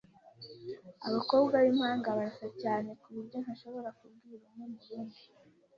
Abakobwa bimpanga barasa cyane kuburyo ntashobora kubwira umwe murundi.